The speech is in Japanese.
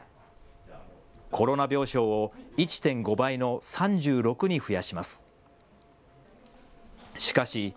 コロナ病床を１．５倍の３６に増やします。